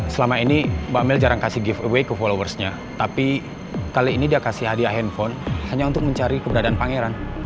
selama ini mbak mel jarang kasih give away ke followersnya tapi kali ini dia kasih hadiah handphone hanya untuk mencari keberadaan pangeran